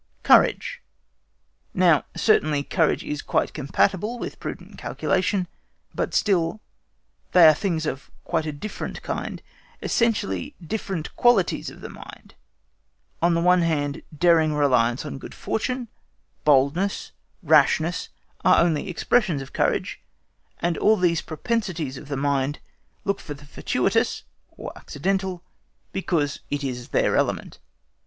Courage. Now certainly courage is quite compatible with prudent calculation, but still they are things of quite a different kind, essentially different qualities of the mind; on the other hand, daring reliance on good fortune, boldness, rashness, are only expressions of courage, and all these propensities of the mind look for the fortuitous (or accidental), because it is their element.